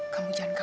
saya manjakan ya